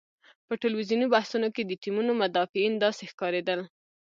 په ټلویزیوني بحثونو کې د ټیمونو مدافعین داسې ښکارېدل.